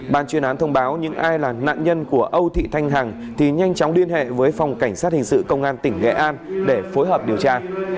ban chuyên án thông báo những ai là nạn nhân của âu thị thanh hằng thì nhanh chóng liên hệ với phòng cảnh sát hình sự công an tỉnh nghệ an để phối hợp điều tra